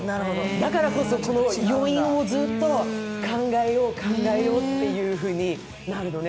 だからこそ、余韻をずっと考えよう考えようっていうふうになるのね。